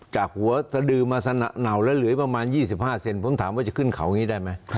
จากหัวสะดือมาเหนาแล้วเหลือประมาณ๒๕เซนผมถามว่าจะขึ้นเขาอย่างนี้ได้ไหม